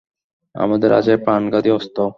আমাদের আছে প্রাণঘাতী অস্ত্র।